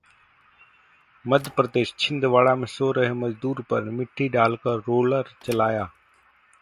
मध्य प्रदेश: छिंदवाड़ा में सो रहे मजदूर पर मिट्टी डालकर रोलर चलाया